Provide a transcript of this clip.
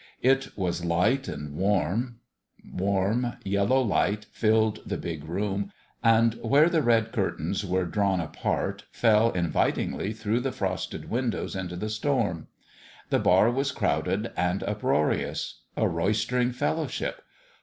It was light and warm. Warm, yellow light filled the big room, and, where the red curtains were drawn apart, fell invitingly through the frosted windows into the storm. The bar was crowded and up roarious. A roistering fellowship